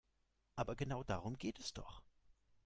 Aber genau darum geht es doch.